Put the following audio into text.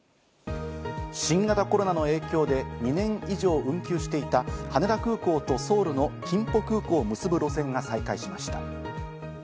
新型コロナの影響で２年以上運休していた羽田空港とソウルのキンポ空港を結ぶ路線が再開しました。